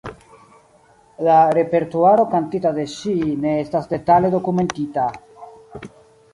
La repertuaro kantita de ŝi ne estas detale dokumentita.